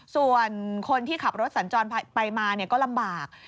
ส่วนคนที่ขับรถสัญจรไปมาก็ลำบาก